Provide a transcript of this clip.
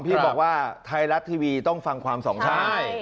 พี่บอกว่าไทยรัฐทีวีต้องฟังความสองใช่